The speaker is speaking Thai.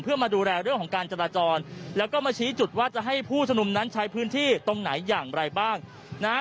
เพื่อมาดูแลเรื่องของการจราจรแล้วก็มาชี้จุดว่าจะให้ผู้ชมนุมนั้นใช้พื้นที่ตรงไหนอย่างไรบ้างนะฮะ